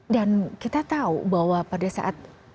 dan kita tahu bahwa pada saat